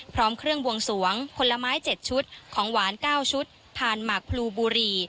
พร้อมเครื่องบวงสวงผลไม้๗ชุดของหวาน๙ชุดผ่านหมากพลูบุรี